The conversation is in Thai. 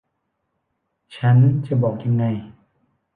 ฉันจะบอกยังไง